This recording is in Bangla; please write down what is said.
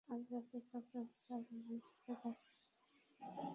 আর যাতে তোকে তার সাথে না দেখি, বুঝেছিস?